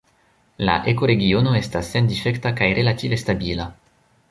La ekoregiono estas sendifekta kaj relative stabila.